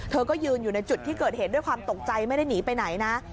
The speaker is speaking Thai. เธอก็ยืนอยู่ในจุดที่เกิดเหตุด้วยความตกใจไม่ได้หนีไปไหนนะ